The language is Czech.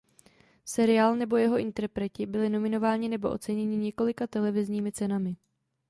Seriál nebo jeho interpreti byli nominováni nebo oceněni několika televizními cenami.